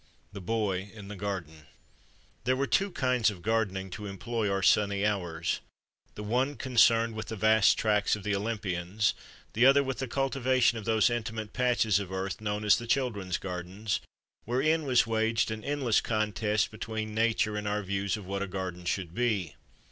THE BOY IN THE GARDEN THERE were two kinds of gardening to employ our sunny hours the one concerned with the vast tracts of the Olympians, the other with the cultivation of those intimate patches of earth known as " the children's gardens," wherein was waged an endless contest between Nature and our views of what a garden should be.